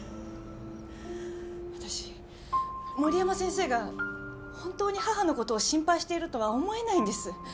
私森山先生が本当に母の事を心配しているとは思えないんです。